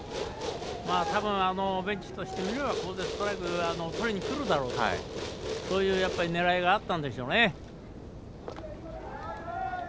ベンチとしてみれば当然ストライクとりにくるだろうという狙いがあったんでしょうね。